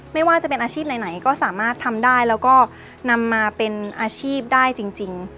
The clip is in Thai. ไม่ว่าจะเป็นอาชีพไหนก็สามารถทำได้แล้วก็นำมาเป็นอาชีพได้จริง